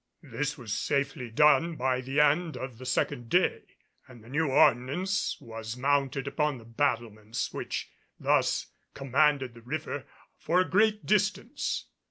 This was safely done by the end of the second day and the new ordnance was mounted upon the battlements which thus commanded the river for a great distance.